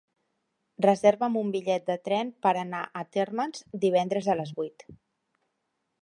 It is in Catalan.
Reserva'm un bitllet de tren per anar a Térmens divendres a les vuit.